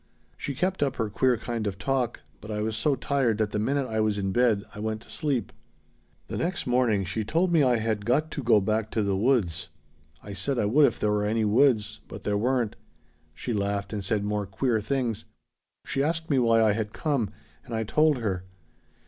"She kept up her queer kind of talk, but I was so tired that the minute I was in bed I went to sleep. "The next morning she told me I had got to go back to the woods. I said I would if there were any woods. But there weren't. She laughed and said more queer things. She asked me why I had come, and I told her.